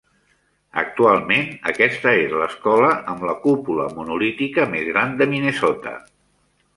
Actualment aquesta és l'escola amb la cúpula monolítica més gran de Minnesota.